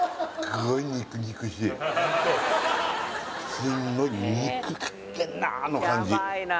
すんごい肉食ってるなの感じ